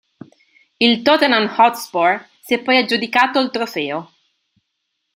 Il Tottenham Hotspur si è poi aggiudicato il trofeo.